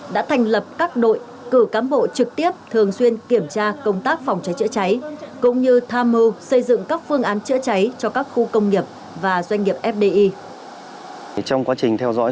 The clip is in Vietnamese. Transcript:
đã thành lập các đội cử cám bộ trực tiếp thường xuyên kiểm tra công tác phòng cháy chữa cháy